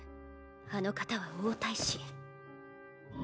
あの方は王太子。